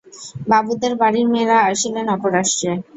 বাবুদের বাড়ির মেয়েরা আসিলেন অপরাষ্ট্রে।